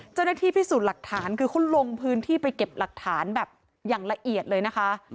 เจ้าหน้าที่พิสูจน์หลักฐานคือเขาลงพื้นที่ไปเก็บหลักฐานแบบอย่างละเอียดเลยนะคะ